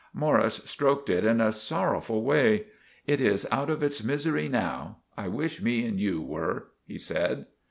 Morris stroaked it in a sorroful way. "It is out of its missery now. I wish me and you were," he said.